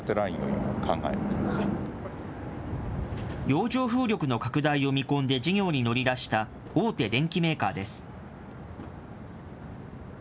洋上風力の拡大を見込んで事業に乗り出した大手電機メーカーです。